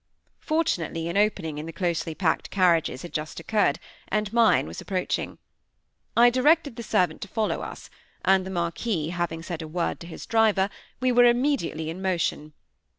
Fortunately an opening in the closely packed carriages had just occurred, and mine was approaching. I directed the servant to follow us; and the Marquis having said a word to his driver, we were immediately in motion.